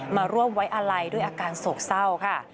มาร่วมไว้อาลัยด้วยอาการโศกเศร้าค่ะ